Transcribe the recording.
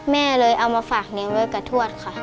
แม่เลยเอามาฝากเลี้ยงไว้กับทวดค่ะ